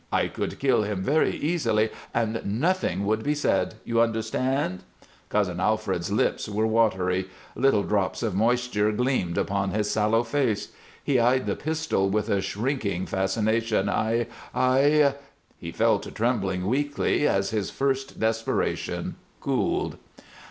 I could kill him very easily and nothing would be said. You understand?" Cousin Alfred's lips were watery; little drops of moisture gleamed upon his sallow face; he eyed the pistol with a shrinking fascination. "I I " He fell to trembling weakly, as his first desperation cooled.